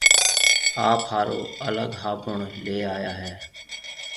آپ هآرون الگ هابُڻ ليَ آيا هيَ۔